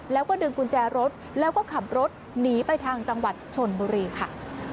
แล้วก็ดึงกุญแจรถแล้วก็ขับรถหนีไปทางจังหวัดชนบุรีค่ะ